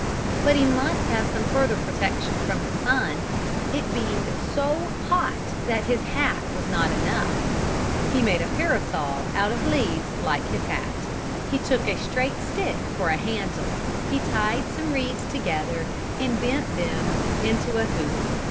But he must have some further protection from the sun. It beamed so hot that his hat was not enough. He made a parasol out of leaves like his hat. He took a straight stick for a handle. He tied some reeds together and bent them into a hoop.